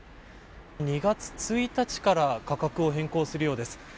２月１日から価格を変更するようです。